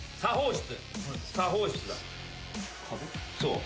そう。